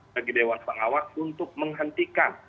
bagi dewan pengawas untuk menghentikan